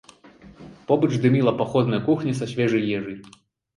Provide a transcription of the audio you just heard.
Побач дыміла паходная кухня са свежай ежай.